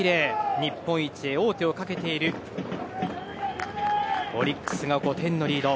日本一へ王手をかけているオリックスが５点のリード。